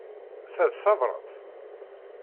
Ta d tabṛat?